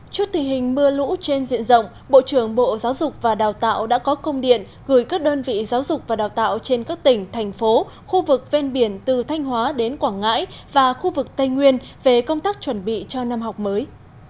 trước tình hình mưa lũ trên diện rộng bộ trưởng bộ giáo dục và đào tạo đã có công điện gửi các đơn vị giáo dục và đào tạo trên các tỉnh thành phố khu vực ven biển từ thanh hóa đến quảng ngãi và khu vực tây nguyên về công tác chuẩn bị cho năm học mới